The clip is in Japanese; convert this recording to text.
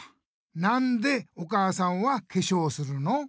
なんでお母さんはけしょうをするの？